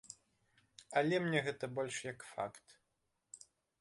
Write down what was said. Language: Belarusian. Але мне гэта больш як факт.